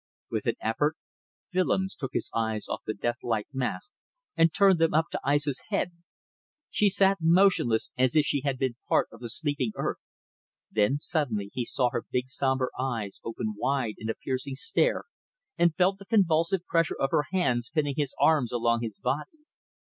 With an effort Willems took his eyes off the deathlike mask and turned them up to Aissa's head. She sat motionless as if she had been part of the sleeping earth, then suddenly he saw her big sombre eyes open out wide in a piercing stare and felt the convulsive pressure of her hands pinning his arms along his body.